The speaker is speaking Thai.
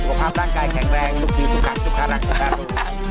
มีแต่ความร่างกายแกร่งแรงลูกคลีสุขทุกข์ฝรั่งสุภาพ